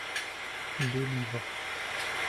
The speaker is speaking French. Deux livres.